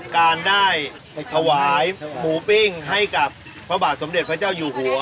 การได้ถวายหมูปิ้งให้กับพระบาทสมเด็จพระเจ้าอยู่หัว